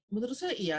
menurut saya iya